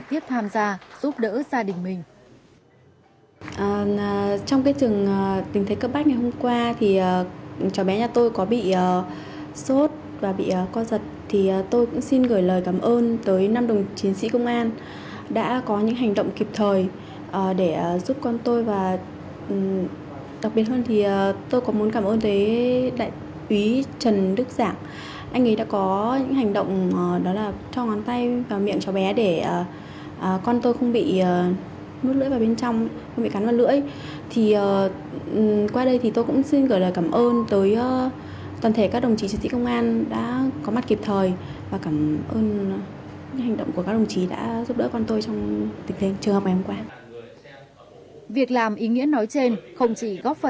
khi mà thời tiết thay đổi thì độ ẩm trong môi trường thay đổi cho nên là những niêm mạc đường hô hấp đường mũi hạm của em bé